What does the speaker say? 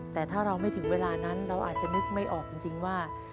แต่ถ้าเราไม่ถึงเวลานั้นเราอาจจะนึกไม่ออกจริงว่า